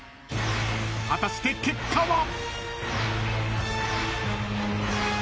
［果たして結果は？］